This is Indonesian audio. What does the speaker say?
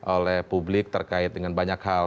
oleh publik terkait dengan banyak hal